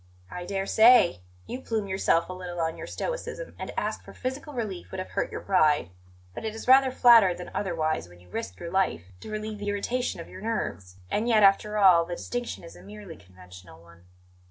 "I dare say. You plume yourself a little on your stoicism, and to ask for physical relief would have hurt your pride; but it is rather flattered than otherwise when you risk your life to relieve the irritation of your nerves. And yet, after all, the distinction is a merely conventional one."